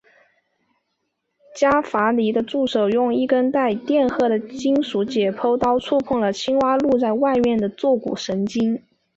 伽伐尼的助手用一根带电荷的金属解剖刀触碰了青蛙露在外面的坐骨神经。